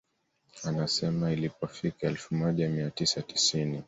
Anasema ilipofika elfu moja mia tisa tisini